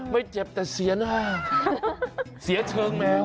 ไม่เจ็บแต่เสียหน้าเสียเชิงแมว